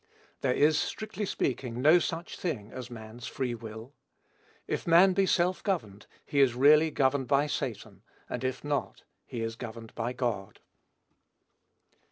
There is, strictly speaking, no such thing as man's free will. If man be self governed, he is really governed by Satan; and if not, he is governed by God.